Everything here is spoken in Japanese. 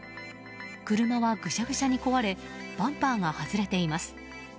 車はぐしゃぐしゃに壊れバンパーが外れています。